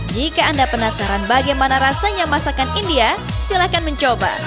jika anda penasaran bagaimana rasanya masakan india silahkan mencoba